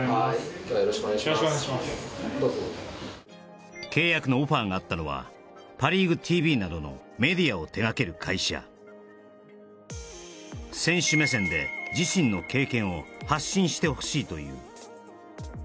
どうぞどうぞ契約のオファーがあったのは「パ・リーグＴＶ」などのメディアを手がける会社選手目線で自身の経験を発信してほしいという